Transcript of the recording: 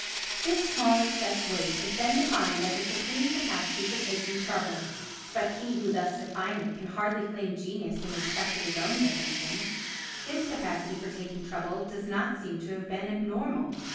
This small excess weight has been defined as a supreme capacity for taking trouble, but he who thus defined it can hardly claim genius in respect of his own definition—his capacity for taking trouble does not seem to have been abnormal.